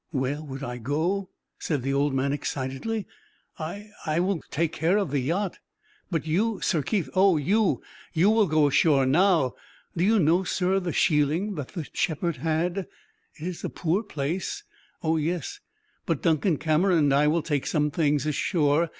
"Where would I go?" said the old man, excitedly. "I I will take care of the yacht. But you, Sir Keith; oh! you you will go ashore now. Do you know, sir, the sheiling that the shepherd had? It is a poor place oh yes; but Duncan Cameron and I will take some things ashore.